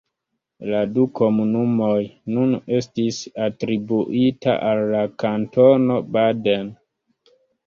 La du komunumoj nun estis atribuita al la Kantono Baden.